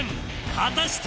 果たして